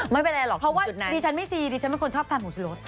ไม่เป็นไรหรอกที่จุดนั้นเพราะว่าดิฉันไม่ซีดิฉันไม่ควรชอบทานผงชุรส